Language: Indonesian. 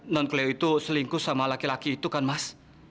non cleo itu selingkuh sama laki laki itu kan mas